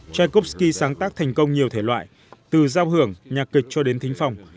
tikovsky sáng tác thành công nhiều thể loại từ giao hưởng nhạc kịch cho đến thính phòng